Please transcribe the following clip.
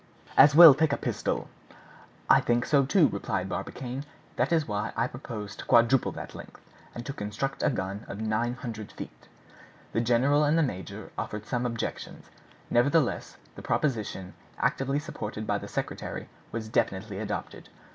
"As well take a pistol." "I think so too," replied Barbicane; "that is why I propose to quadruple that length, and to construct a gun of nine hundred feet." The general and the major offered some objections; nevertheless, the proposition, actively supported by the secretary, was definitely adopted.